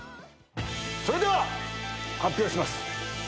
それでは発表します。